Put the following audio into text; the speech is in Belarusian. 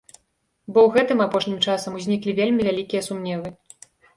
Бо ў гэтым апошнім часам узніклі вельмі вялікія сумневы.